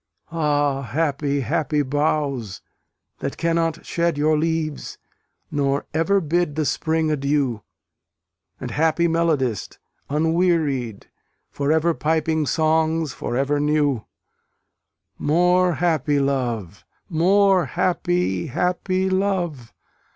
Ah, happy, happy boughs! that cannot shed Your leaves, nor ever bid the Spring adieu; And, happy melodist, unwearied, For ever piping songs for ever new; More happy love! more happy, happy love!